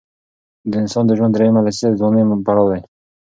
د انسان د ژوند دریمه لسیزه د ځوانۍ پړاو دی.